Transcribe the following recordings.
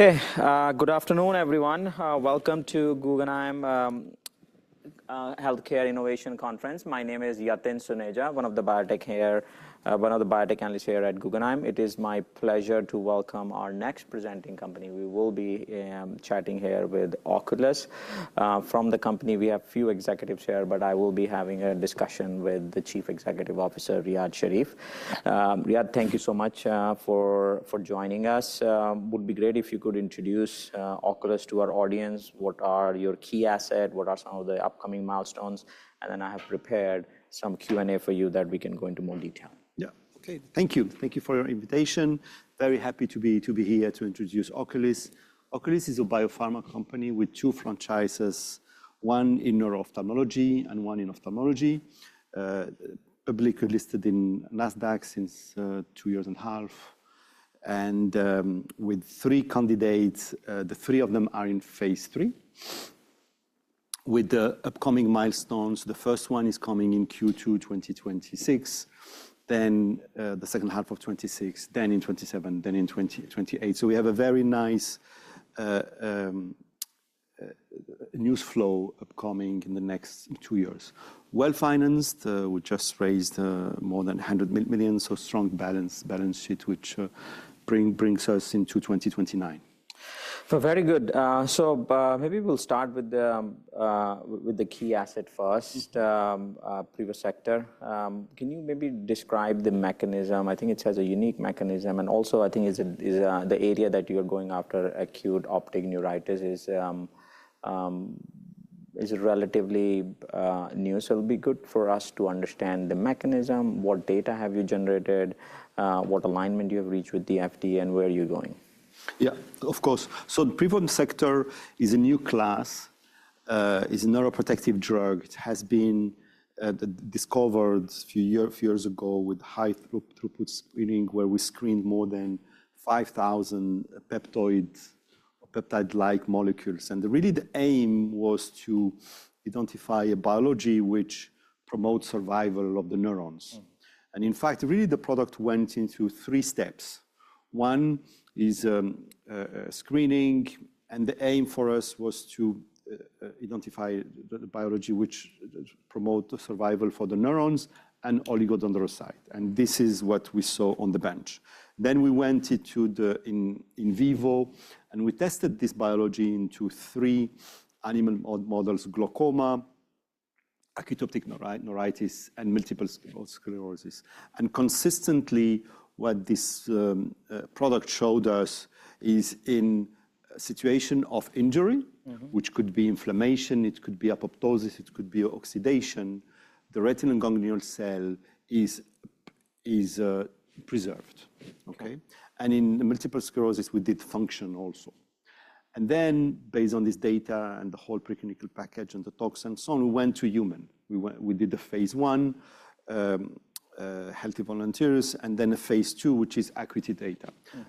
OK, good afternoon, everyone. Welcome to Guggenheim Healthcare Innovation Conference. My name is Yatin Suneja, one of the biotech here, one of the biotech analysts here at Guggenheim. It is my pleasure to welcome our next presenting company. We will be chatting here with Oculis. From the company, we have a few executives here, but I will be having a discussion with the Chief Executive Officer, Riad Sherif. Riad, thank you so much for joining us. It would be great if you could introduce Oculis to our audience. What are your key assets? What are some of the upcoming milestones? And then I have prepared some Q&A for you that we can go into more detail. Yeah, OK, thank you. Thank you for your invitation. Very happy to be here to introduce Oculis. Oculis is a biopharma company with two franchises, one in neuro-ophthalmology and one in ophthalmology. Publicly listed in Nasdaq since two years and a half, and with three candidates, the three of them are in phase three. With the upcoming milestones, the first one is coming in Q2 2026, then the second half of 2026, then in 2027, then in 2028, so we have a very nice news flow upcoming in the next two years, well-financed. We just raised more than $100 million, so strong balance sheet, which brings us into 2029. Very good. Maybe we'll start with the key asset first, OCS-05. Can you maybe describe the mechanism? I think it has a unique mechanism. Also, I think the area that you're going after, acute optic neuritis, is relatively new. It'll be good for us to understand the mechanism. What data have you generated? What alignment have you reached with the FDA? Where are you going? Yeah, of course. So OCS-05 is a new class. It's a neuroprotective drug. It has been discovered a few years ago with high throughput screening, where we screened more than 5,000 peptide-like molecules. And really, the aim was to identify a biology which promotes survival of the neurons. And in fact, really, the product went into three steps. One is screening. And the aim for us was to identify the biology which promotes survival for the neurons and oligodendrocyte. And this is what we saw on the bench. Then we went into the in vivo. And we tested this biology into three animal models: glaucoma, acute optic neuritis, and multiple sclerosis. And consistently, what this product showed us is in a situation of injury, which could be inflammation, it could be apoptosis, it could be oxidation, the retinal ganglion cell is preserved. OK? And in multiple sclerosis, we did function also. And then, based on this data and the whole preclinical package and the talks and so on, we went to human. We did the phase one, healthy volunteers, and then a phase two, which is ACUITY data.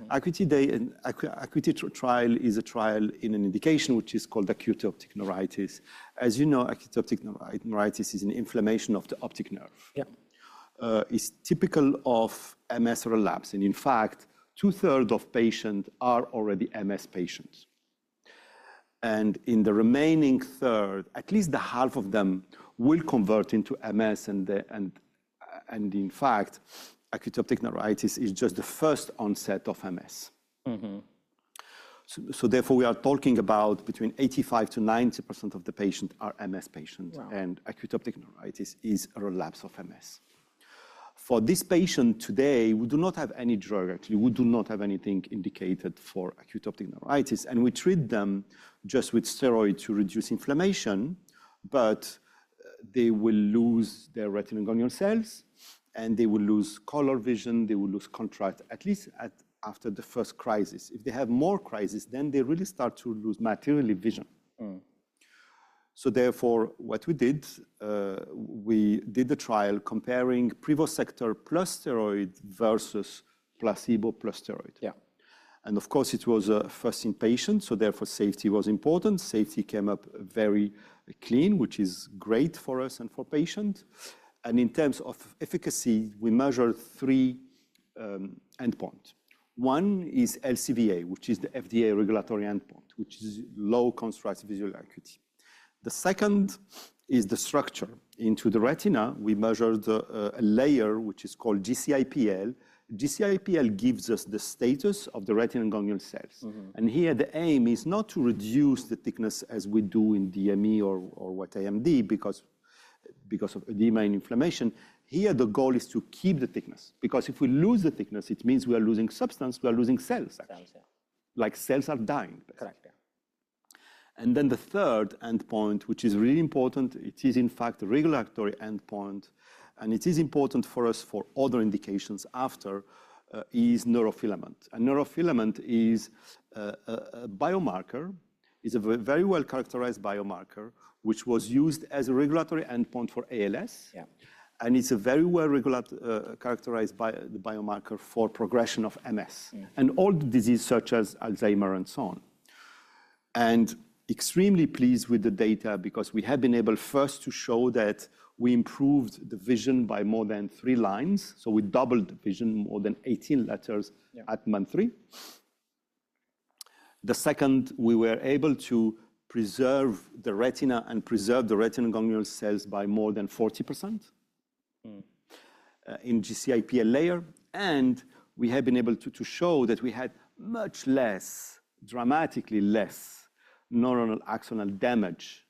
ACUITY trial is a trial in an indication, which is called acute optic neuritis. As you know, acute optic neuritis is an inflammation of the optic nerve. It's typical of MS relapse. And in fact, two-thirds of patients are already MS patients. And in the remaining third, at least half of them will convert into MS. And in fact, acute optic neuritis is just the first onset of MS. So therefore, we are talking about between 85%-90% of the patients are MS patients. And acute optic neuritis is a relapse of MS. For this patient today, we do not have any drug, actually. We do not have anything indicated for acute optic neuritis. And we treat them just with steroids to reduce inflammation. But they will lose their retinal ganglion cells. And they will lose color vision. They will lose contrast, at least after the first crisis. If they have more crisis, then they really start to lose materially vision. So therefore, what we did, we did the trial comparing OCS-05 plus steroid versus placebo plus steroid. Yeah, and of course, it was first in patients. So therefore, safety was important. Safety came up very clean, which is great for us and for patients. And in terms of efficacy, we measured three endpoints. One is LCVA, which is the FDA regulatory endpoint, which is low contrast visual acuity. The second is the structure. Into the retina, we measured a layer, which is called GCIPL. GCIPL gives us the status of the retinal ganglion cells, and here, the aim is not to reduce the thickness, as we do in DME or with AMD, because of edema and inflammation. Here, the goal is to keep the thickness. Because if we lose the thickness, it means we are losing substance. We are losing cells. Like cells are dying. Correct. And then the third endpoint, which is really important, it is in fact a regulatory endpoint. And it is important for us for other indications after is neurofilament. And neurofilament is a biomarker, is a very well-characterized biomarker, which was used as a regulatory endpoint for ALS. And it's a very well-characterized biomarker for progression of MS and all diseases such as Alzheimer and so on. And extremely pleased with the data, because we have been able first to show that we improved the vision by more than three lines. So we doubled the vision, more than 18 letters at month three. The second, we were able to preserve the retina and preserve the retinal ganglion cells by more than 40% in GCIPL layer. And we have been able to show that we had much less, dramatically less neuronal axonal damage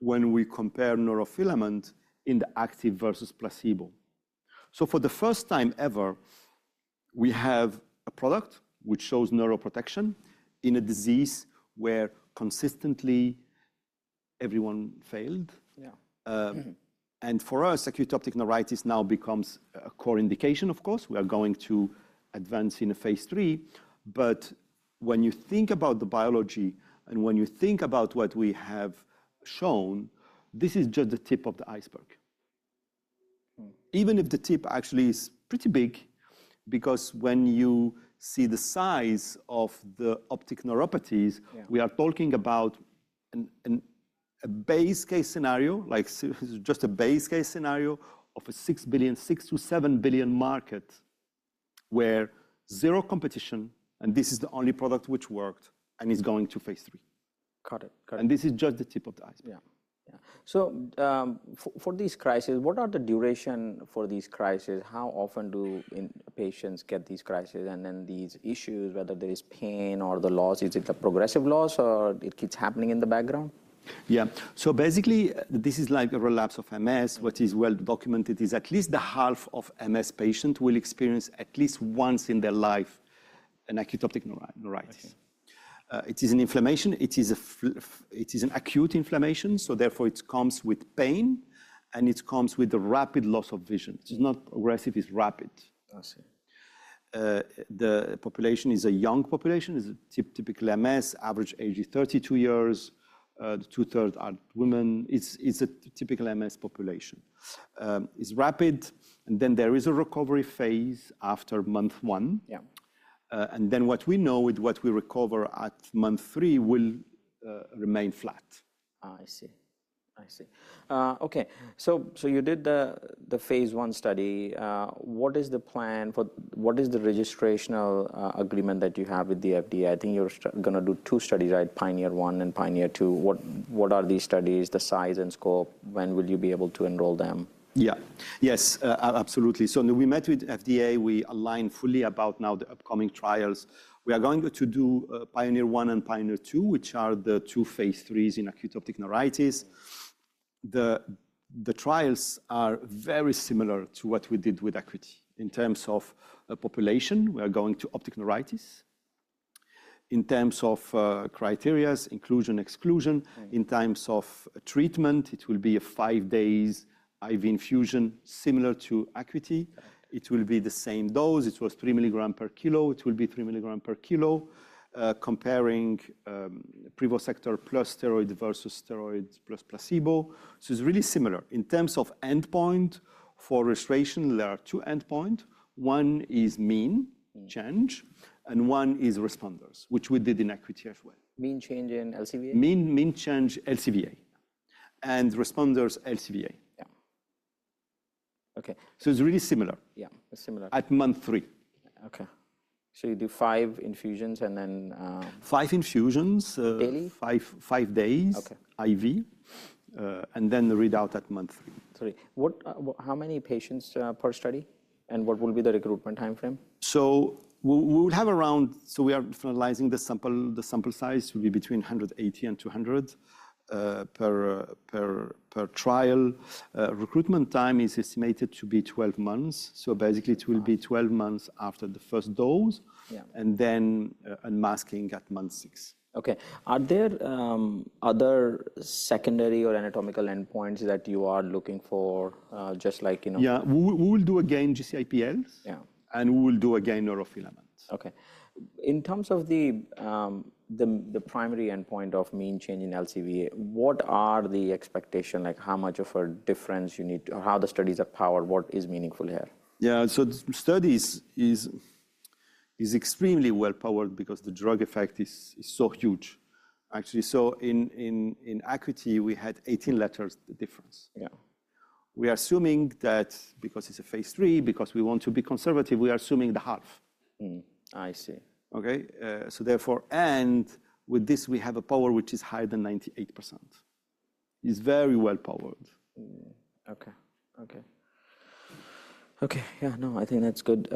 when we compare neurofilament in the active versus placebo. For the first time ever, we have a product which shows neuroprotection in a disease where consistently everyone failed. And for us, acute optic neuritis now becomes a core indication, of course. We are going to advance in phase III. But when you think about the biology and when you think about what we have shown, this is just the tip of the iceberg. Even if the tip actually is pretty big, because when you see the size of the optic neuropathies, we are talking about a base case scenario, like just a base case scenario of a $6 billion-$7 billion market where zero competition, and this is the only product which worked, and it's going to phase III. Got it. This is just the tip of the iceberg. Yeah. So for these crises, what are the durations for these crises? How often do patients get these crises? And then these issues, whether there is pain or the loss, is it a progressive loss or it keeps happening in the background? Yeah. So basically, this is like a relapse of MS, which is well-documented. It is at least half of MS patients will experience at least once in their life an acute optic neuritis. It is an inflammation. It is an acute inflammation. So therefore, it comes with pain. And it comes with a rapid loss of vision. It's not progressive. It's rapid. The population is a young population. It's typical MS. Average age is 32 years. Two-thirds are women. It's a typical MS population. It's rapid. And then there is a recovery phase after month one. And then what we know with what we recover at month three will remain flat. I see. I see. OK, so you did the phase study. What is the plan? What is the registration agreement that you have with the FDA? I think you're going to do two studies, right? PIONEER-1 and PIONEER-2. What are these studies, the size and scope? When will you be able to enroll them? Yeah. Yes, absolutely. So we met with FDA. We align fully about now the upcoming trials. We are going to do PIONEER-1 and PIONEER 2, which are the two phase III in acute optic neuritis. The trials are very similar to what we did with Acuity. In terms of population, we are going to optic neuritis. In terms of criteria, inclusion/exclusion. In terms of treatment, it will be a five-day IV infusion similar to Acuity. It will be the same dose. It was three milligrams per kilo. It will be three milligrams per kilo, comparing OCS-05 plus steroid versus steroid plus placebo. So it's really similar. In terms of endpoint for registration, there are two endpoints. One is mean change, and one is responders, which we did in Acuity as well. Mean change in LCVA? Mean change, LCVA, and responders, LCVA. Yeah. OK. So it's really similar. Yeah, it's similar. At month three. OK. So you do five infusions and then. Five infusions. Daily? Five days IV, and then read out at month three. How many patients per study? And what will be the recruitment time frame? We are finalizing the sample size. It will be between 180 and 200 per trial. Recruitment time is estimated to be 12 months. Basically, it will be 12 months after the first dose. Then unmasking at month six. OK. Are there other secondary or anatomical endpoints that you are looking for, just like? Yeah, we will do again GCIPL. And we will do again neurofilament. OK. In terms of the primary endpoint of mean change in LCVA, what are the expectations? Like how much of a difference you need or how the studies are powered? What is meaningful here? Yeah, so the study is extremely well-powered because the drug effect is so huge, actually. So in Acuity, we had 18 letters difference. We are assuming that because it's a phase three, because we want to be conservative, we are assuming the half. I see. OK? So therefore, and with this, we have a power which is higher than 98%. It's very well-powered. OK, OK. OK, yeah, no, I think that's good.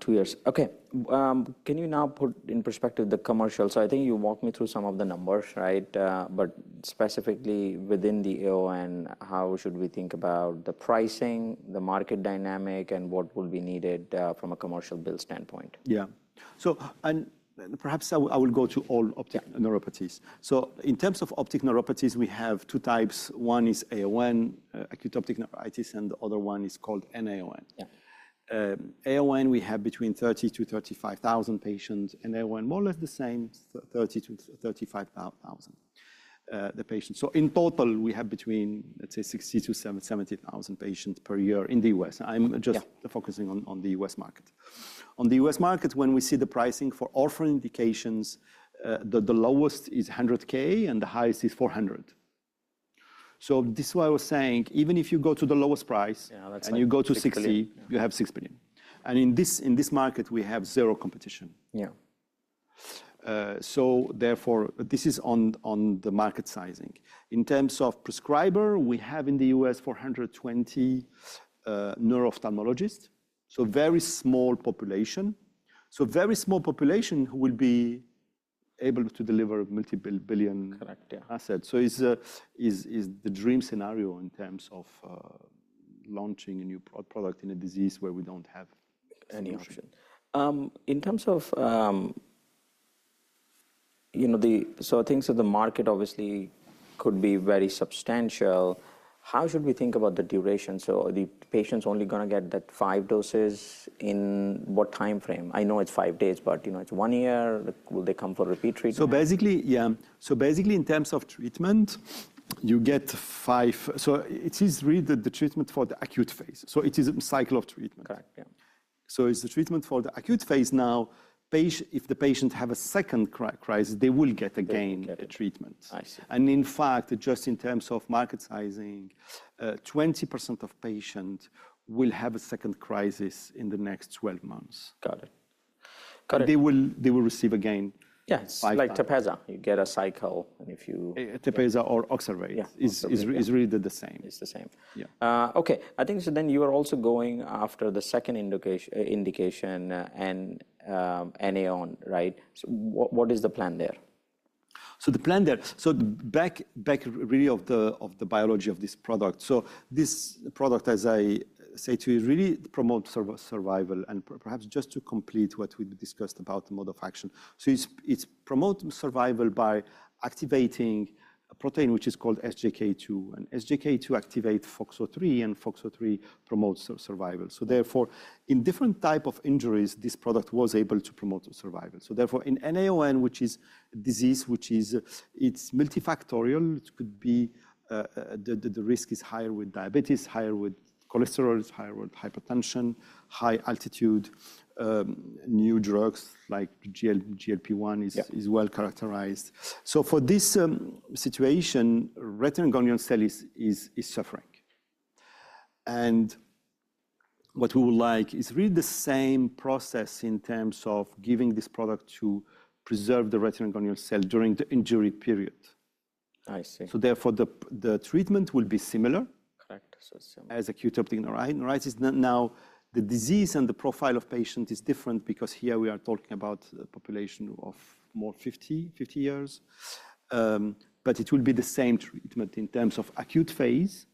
Two years. OK, can you now put in perspective the commercial? So I think you walked me through some of the numbers, right? But specifically within the AON, how should we think about the pricing, the market dynamic, and what would be needed from a commercial build standpoint? Yeah. So perhaps I will go to all optic neuropathies. So in terms of optic neuropathies, we have two types. One is AON, acute optic neuritis. And the other one is called NAION. AON, we have between 30,000-35,000 patients. NAION, more or less the same, 30,000-35,000 patients. So in total, we have between, let's say, 60,000-70,000 patients per year in the U.S. I'm just focusing on the U.S. market. On the U.S. market, when we see the pricing for all four indications, the lowest is $100K, and the highest is $400K. So this is what I was saying. Even if you go to the lowest price and you go to 60, you have $6 billion. And in this market, we have zero competition. So therefore, this is on the market sizing. In terms of prescriber, we have in the U.S. 420 neuro-ophthalmologists. Very small population will be able to deliver multibillion assets. It's the dream scenario in terms of launching a new product in a disease where we don't have any option. In terms of the size of the market obviously could be very substantial. How should we think about the duration? So are the patients only going to get that five doses in what time frame? I know it's five days, but it's one year. Will they come for repeat treatment? Basically, in terms of treatment, you get five. It is really the treatment for the acute phase. It is a cycle of treatment. If the patient has a second crisis, they will get again the treatment. In fact, just in terms of market sizing, 20% of patients will have a second crisis in the next 12 months. Got it. They will receive again. Yeah, it's like Tepezza. You get a cycle. And if you. Tepezza or Oxervate is really the same. It's the same. OK. I think so then you are also going after the second indication and NAION, right? What is the plan there? The plan there, so back really to the biology of this product. This product, as I say to you, really promotes survival. Perhaps just to complete what we discussed about the mode of action. It's promoting survival by activating a protein which is called SGK2. SGK2 activates FOXO3. FOXO3 promotes survival. Therefore, in different types of injuries, this product was able to promote survival. Therefore, in NAION, which is a disease which is multifactorial, it could be the risk is higher with diabetes, higher with cholesterol, higher with hypertension, high altitude. New drugs like GLP-1 is well characterized. For this situation, retinal ganglion cell is suffering. What we would like is really the same process in terms of giving this product to preserve the retinal ganglion cell during the injury period. Therefore, the treatment will be similar. Correct. As acute optic neuritis. Now, the disease and the profile of patients is different because here we are talking about a population of more than 50 years. But it will be the same treatment in terms of acute phase.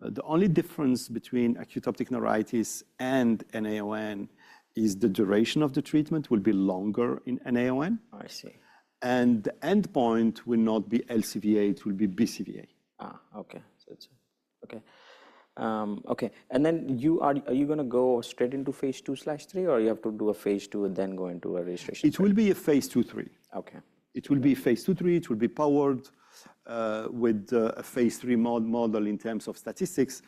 The only difference between acute optic neuritis and NAION is the duration of the treatment will be longer in NAION, and the endpoint will not be LCVA. It will be BCVA. OK. And then are you going to go straight into phase two slash three? Or you have to do a phase two and then go into a registration? It will be a phase II, III. It will be powered with a phase III model in terms of statistics.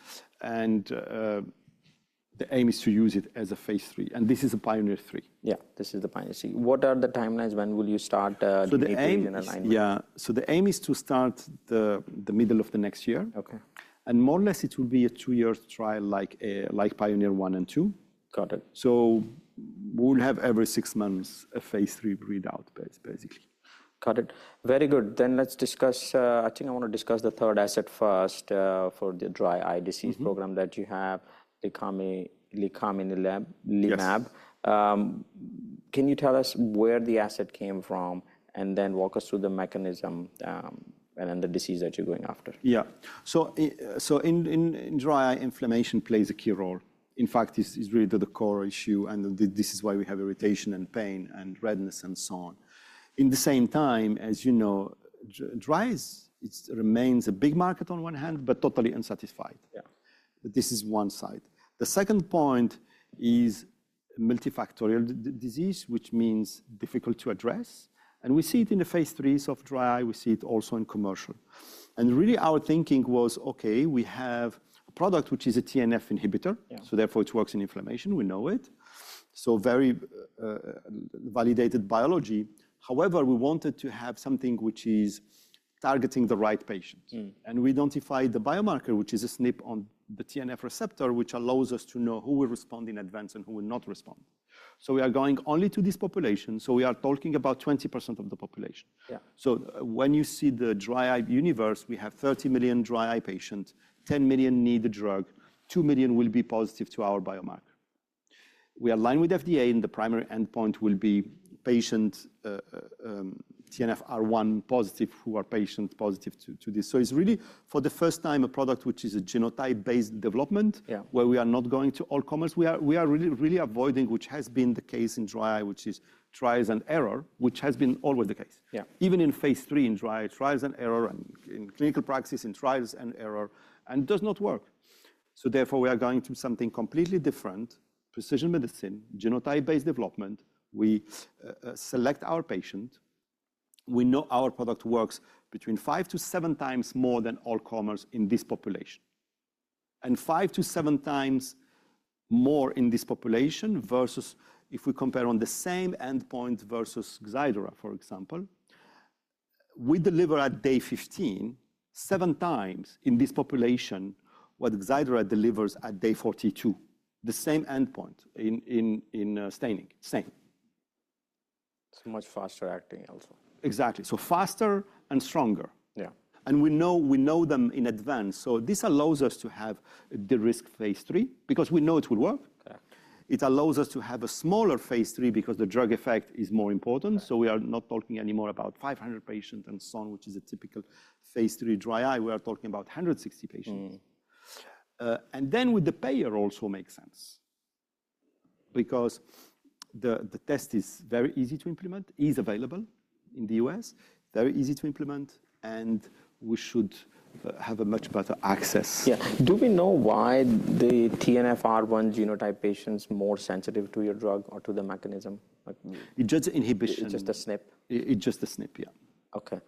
The aim is to use it as a phase III. This is a PIONEER 3. Yeah, this is the PIONEER-3. What are the timelines? When will you start doing the alignment? So the aim is to start the middle of the next year. And more or less, it will be a two-year trial like PIONEER-1 and PIONEER-2. So we will have every six months a phase III read out basically. Got it. Very good. Then let's discuss. I think I want to discuss the third asset first for the dry eye disease program that you have, Licaminlimab. Can you tell us where the asset came from? And then walk us through the mechanism and then the disease that you're going after. Yeah, so in dry eye, inflammation plays a key role. In fact, it's really the core issue, and this is why we have irritation and pain and redness and so on. At the same time, as you know, dry eyes remains a big market on one hand, but totally unsatisfied. This is one side. The second point is multifactorial disease, which means difficult to address, and we see it in the phase 3s of dry eye. We see it also in commercial, and really, our thinking was, OK, we have a product which is a TNF inhibitor, so therefore, it works in inflammation. We know it, so very validated biology. However, we wanted to have something which is targeting the right patient, and we identified the biomarker, which is a SNP on the TNF receptor, which allows us to know who will respond in advance and who will not respond. We are going only to this population. We are talking about 20% of the population. When you see the dry eye universe, we have 30 million dry eye patients, 10 million need the drug, two million will be positive to our biomarker. We align with FDA. The primary endpoint will be patient TNFR1 positive who are patient positive to this. It's really, for the first time, a product which is a genotype-based development where we are not going to all-comers. We are really avoiding, which has been the case in dry eye, which is trial and error, which has been always the case. Even in phase III in dry eye, trial and error. In clinical practice, trial and error. It does not work. Therefore, we are going to something completely different, precision medicine, genotype-based development. We select our patient. We know our product works between five to seven times more than all-comers in this population. And five to seven times more in this population versus if we compare on the same endpoint versus Xiidra, for example. We deliver at day 15 seven times in this population what Xiidra delivers at day 42. The same endpoint in staining. Same. So much faster acting also. Exactly. So faster and stronger. And we know them in advance. So this allows us to have the risk phase three because we know it will work. It allows us to have a smaller phase three because the drug effect is more important. So we are not talking anymore about 500 patients and so on, which is a typical phase three dry eye. We are talking about 160 patients. And then with the payer also makes sense because the test is very easy to implement, is available in the U.S., very easy to implement. And we should have a much better access. Yeah. Do we know why the TNFR1 genotype patients are more sensitive to your drug or to the mechanism? It's just inhibition. Just an SNP? It's just a SNP, yeah. OK.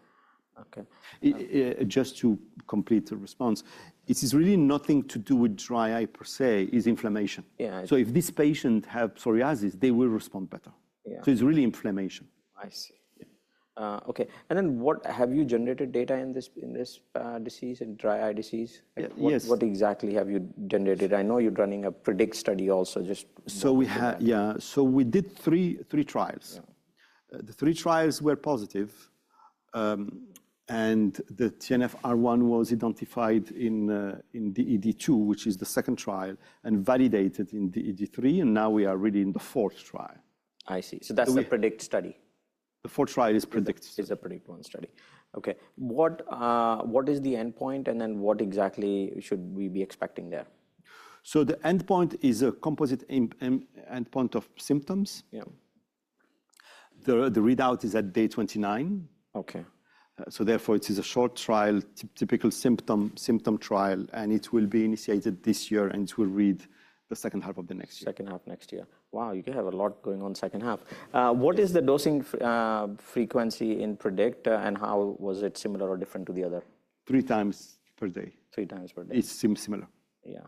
Just to complete the response, it is really nothing to do with dry eye per se. It's inflammation, so if this patient has psoriasis, they will respond better, so it's really inflammation. I see. OK. And then what have you generated data in this disease, in dry eye disease? What exactly have you generated? I know you're running a PREDICT study also, just. Yeah, so we did three trials. The three trials were positive, and the TNFR1 was identified in DED2, which is the second trial, and validated in DED3, and now we are really in the fourth trial. I see. So that's the PREDICT study. The fourth trial is PREDICT. It's a PREDICT-1 study. OK. What is the endpoint? And then what exactly should we be expecting there? So the endpoint is a composite endpoint of symptoms. The readout is at day 29. So therefore, it is a short trial, typical symptom trial. And it will be initiated this year. And it will read the second half of the next year. Second half next year. Wow, you have a lot going on second half. What is the dosing frequency in PREDICT? And how was it similar or different to the other? Three times per day. Three times per day. It seems similar. Yeah.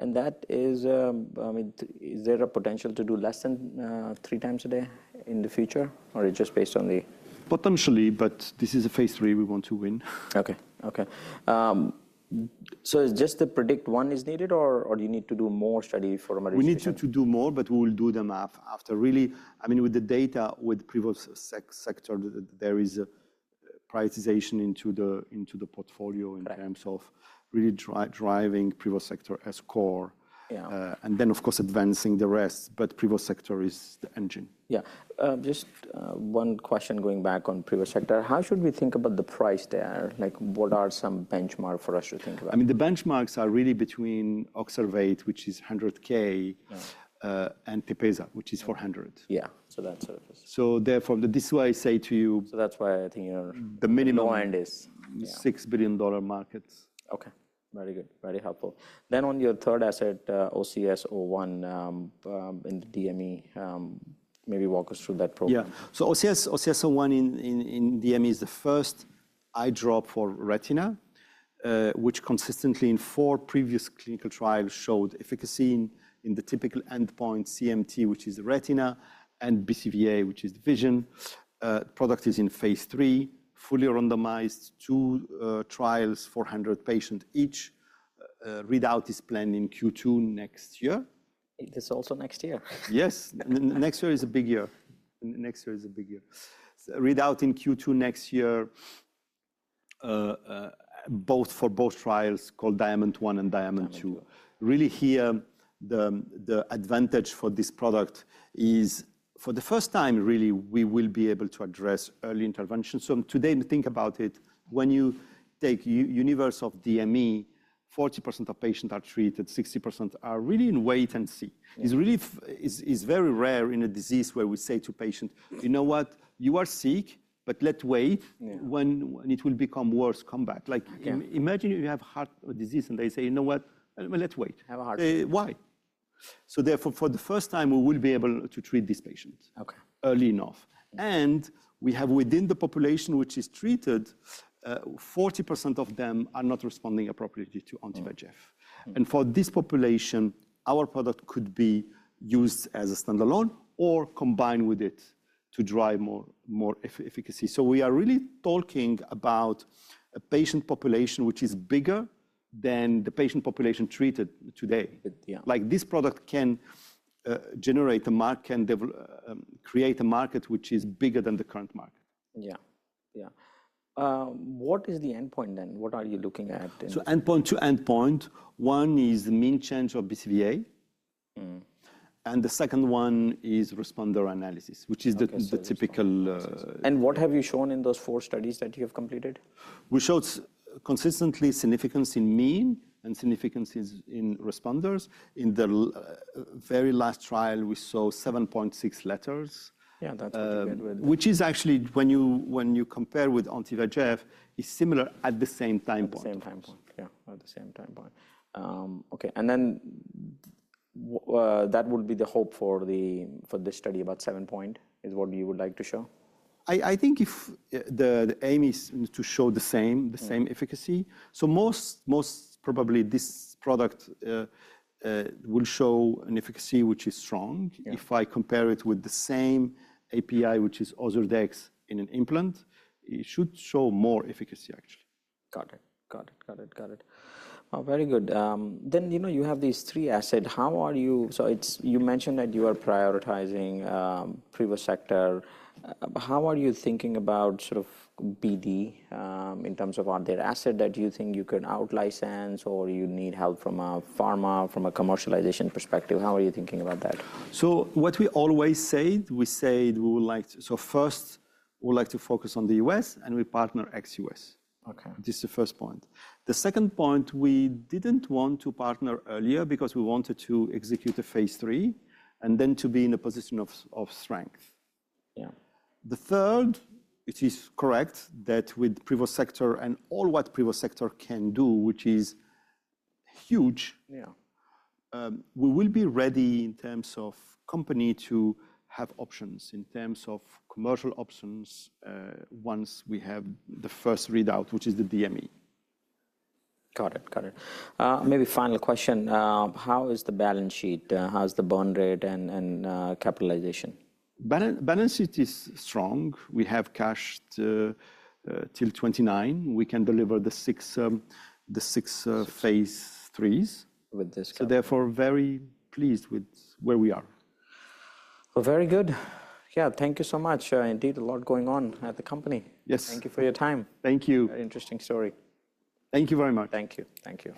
And that is, I mean, is there a potential to do less than three times a day in the future? Or it's just based on the. Potentially. But this is a phase 3 we want to win. OK. So just the PREDICT one is needed? Or do you need to do more study for a medicine? We need to do more. But we will do them after. Really, I mean, with the data with the OCS-05, there is prioritization into the portfolio in terms of really driving OCS-05 as core. And then, of course, advancing the rest. But OCS-05 is the engine. Yeah. Just one question going back on previous sector. How should we think about the price there? What are some benchmarks for us to think about? I mean, the benchmarks are really between Oxervate, which is $100,000, and Tepezza, which is $400,000. Yeah. So that sort of is. So therefore, this is why I say to you. So that's why I think you're. The minimum. The low end is. $6 billion markets. OK. Very good. Very helpful. Then on your third asset, OCS-01 in DME, maybe walk us through that program. Yeah. So OCS-01 in DME is the first eye drop for retina, which consistently in four previous clinical trials showed efficacy in the typical endpoint CMT, which is retina, and BCVA, which is vision. The product is in phase three, fully randomized, two trials, 400 patients each. Readout is planned in Q2 next year. This is also next year. Yes. Next year is a big year. Next year is a big year. Readout in Q2 next year, both for both trials called DIAMOND-1 and DIAMOND-2. Really here, the advantage for this product is for the first time, really, we will be able to address early intervention. So today, think about it. When you take the universe of DME, 40% of patients are treated. 60% are really in wait and see. It's very rare in a disease where we say to a patient, you know what? You are sick, but let wait. When it will become worse, come back. Imagine you have heart disease and they say, you know what? Let wait. Have a heart. Why? So therefore, for the first time, we will be able to treat this patient early enough. And we have within the population which is treated, 40% of them are not responding appropriately to anti-VEGF. And for this population, our product could be used as a standalone or combined with it to drive more efficacy. So we are really talking about a patient population which is bigger than the patient population treated today. Like this product can generate a market, can create a market which is bigger than the current market. Yeah. Yeah. What is the endpoint then? What are you looking at? So endpoint to endpoint, one is mean change of BCVA. And the second one is responder analysis, which is the typical. What have you shown in those four studies that you have completed? We showed consistent significance in mean and significance in responders. In the very last trial, we saw 7.6 letters. Yeah, that's what we did with. Which is actually, when you compare with Anti-VEGF, is similar at the same time point. Same time point. Yeah, at the same time point. OK. And then that would be the hope for the study about seven point? Is what you would like to show? I think the aim is to show the same efficacy. So most probably, this product will show an efficacy which is strong. If I compare it with the same API, which is Ozurdex in an implant, it should show more efficacy, actually. Got it. Very good. Then you have these three assets. How are you? So you mentioned that you are prioritizing OCS-05. How are you thinking about sort of BD in terms of are there assets that you think you could out-license? Or you need help from a pharma, from a commercialization perspective? How are you thinking about that? What we always say, we say we would like to, so first, we would like to focus on the U.S. We partner ex-U.S. This is the first point. The second point, we didn't want to partner earlier because we wanted to execute a phase and then to be in a position of strength. Third, it is correct that with OCS-05 and all what OCS-05 can do, which is huge, we will be ready in terms of company to have options, in terms of commercial options, once we have the first readout, which is the DME. Got it. Got it. Maybe final question. How is the balance sheet? How's the bond rate and capitalization? Balance sheet is strong. We have cash till 2029. We can deliver the six phase 3s. With this. Therefore, very pleased with where we are. Well, very good. Yeah, thank you so much. Indeed, a lot going on at the company. Yes. Thank you for your time. Thank you. Very interesting story. Thank you very much. Thank you. Thank you.